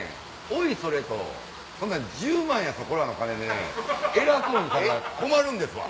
おいそれとそんな１０万やそこらの金で偉そうにされたら困るんですわ。